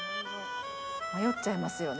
迷っちゃいますよね。